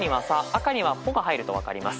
赤には「ぽ」が入ると分かります。